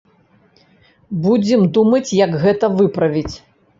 Будзем думаць, як гэта выправіць.